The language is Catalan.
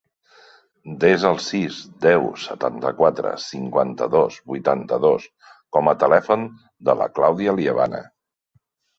Desa el sis, deu, setanta-quatre, cinquanta-dos, vuitanta-dos com a telèfon de la Clàudia Liebana.